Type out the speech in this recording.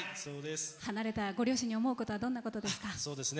離れたご両親に思うことはどんなことですか？